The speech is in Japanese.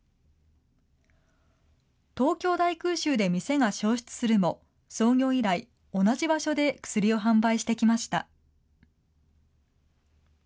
東京大空襲で店が消失するも、創業以来、同じ場所で薬を販売してきました。